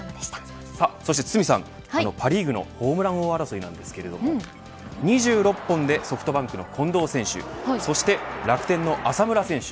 そして堤さん、パ・リーグのホームラン王争いなんですけど２６本でソフトバンクの近藤選手そして楽天の浅村選手